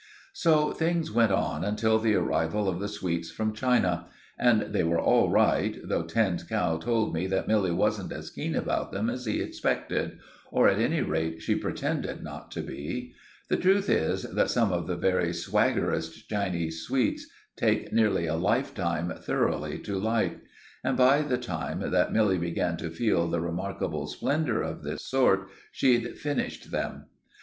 So things went on until the arrival of the sweets from China; and they were all right, though Tinned Cow told me that Milly wasn't as keen about them as he expected, or at any rate she pretended not to be. The truth is that some of the very swaggerest Chinese sweets take nearly a lifetime thoroughly to like; and by the time that Milly began to feel the remarkable splendour of this sort, she'd finished them.